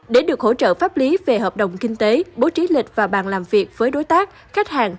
để được hỗ trợ pháp lý về hợp đồng kinh tế bố trí lịch và bàn làm việc với đối tác khách hàng